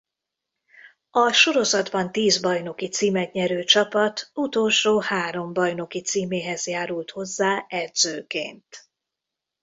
A sorozatban tíz bajnoki címet nyerő csapat utolsó három bajnoki címéhez járult hozzá edzőként.